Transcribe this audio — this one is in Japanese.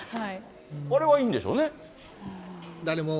あれはいいんでしょうね。